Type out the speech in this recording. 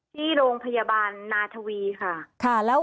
ที่โรงพยาบาลนาทวีค่ะ